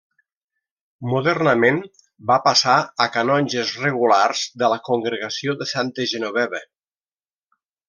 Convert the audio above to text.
Modernament va passar a canonges regulars de la congregació de Santa Genoveva.